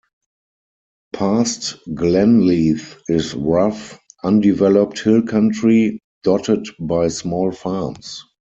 Past Glenleith is rough, undeveloped hill country, dotted by small farms.